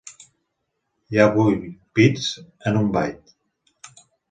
Hi ha vuit bits en un byte.